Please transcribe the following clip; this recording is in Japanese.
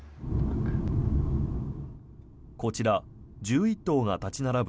こちら、１１棟が立ち並ぶ